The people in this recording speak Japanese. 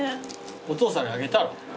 お父さんにあげたら？